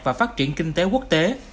và phát triển kinh tế quốc tế